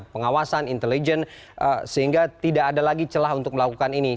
pengawasan intelijen sehingga tidak ada lagi celah untuk melakukan ini